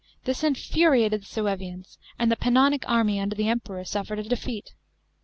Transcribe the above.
This in'uriated the iSuevians, and the Pannoinc army under the Km peror suffered a defeat.